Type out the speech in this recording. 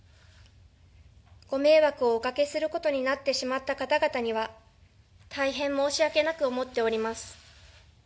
ご迷惑をおかけすることになってしまった方々には大変申し訳なく思っております。